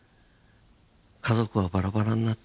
「家族はバラバラになって